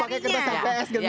pake kertas aps gak bisa ya